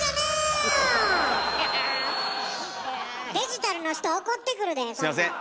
デジタルの人怒ってくるでそんなん。